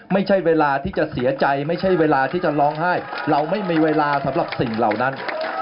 ไม่ใช่เวลาที่จะเสียใจไม่ใช่เวลาที่จะร้องไห้เราไม่มีเวลาสำหรับสิ่งเหล่านั้น